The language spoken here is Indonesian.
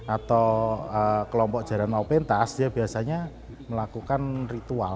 atau kelompok jaran maupentas dia biasanya melakukan ritual